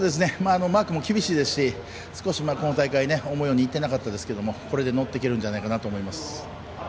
マークも厳しいですし少し今大会、思うようにいってなかったですけどこれで乗っていけるんじゃないかと思います。